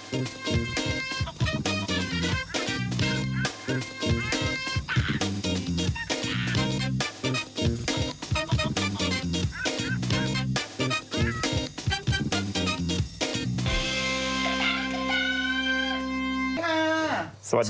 มิดูกันเปิ้ลให้ก็เชิญ